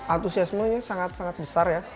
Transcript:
antusiasmenya sangat sangat besar ya